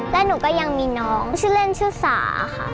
และหนูก็ยังมีน้องชื่อเล่นชื่อสาค่ะ